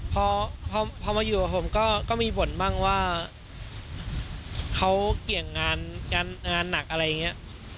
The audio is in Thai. พอมาอยู่กับผมก็มีบ่นบ้างว่าเขาเกี่ยงงานงานหนักอะไรอย่างนี้